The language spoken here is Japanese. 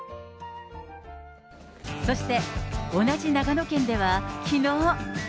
そして、同じ長野県では、きのう。